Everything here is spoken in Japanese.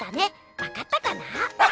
わかったかな？